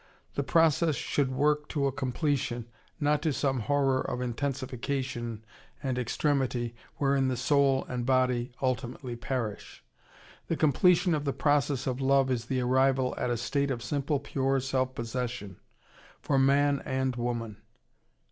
The process should work to a completion, not to some horror of intensification and extremity wherein the soul and body ultimately perish. The completion of the process of love is the arrival at a state of simple, pure self possession, for man and woman.